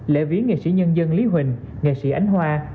lễ viếng nghệ sĩ nhân dân lý huỳnh nghệ sĩ ánh hoa